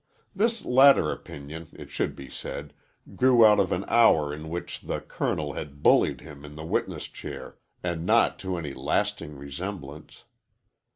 This latter opinion, it should be said, grew out of an hour in which the Colonel had bullied him in the witness chair, and not to any lasting resemblance.